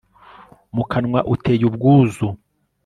mu kanwa uteye ubwuzu